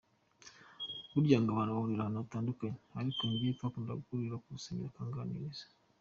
Burya abantu bahurira ahantu hatandukanye ariko njye twakundaga guhurira ku rusengero akanganiriza.